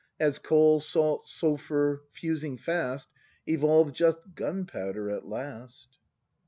As coal, salt, sulphur, fusing fast. Evolve just gunpowder at last.